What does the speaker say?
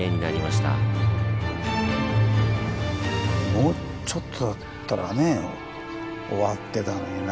もうちょっとだったらね終わってたのにな。